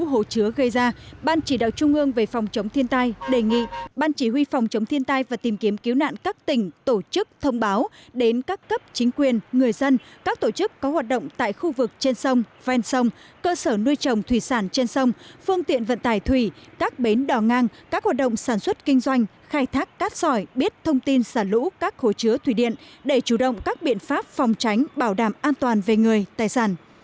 hỗ trứa gây ra ban chỉ đạo trung ương về phòng chống thiên tai đề nghị ban chỉ huy phòng chống thiên tai và tìm kiếm cứu nạn các tỉnh tổ chức thông báo đến các cấp chính quyền người dân các tổ chức có hoạt động tại khu vực trên sông ven sông cơ sở nuôi trồng thủy sản trên sông phương tiện vận tải thủy các bến đỏ ngang các hoạt động sản xuất kinh doanh khai thác cát sỏi biết thông tin sả lũ các hồ chứa thủy điện để chủ động các biện pháp phòng tránh bảo đảm an toàn về người tài sản